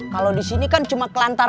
kalau disini kan cuma kelantar